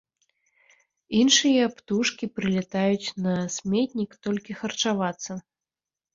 Іншыя птушкі прылятаюць на сметнік толькі харчавацца.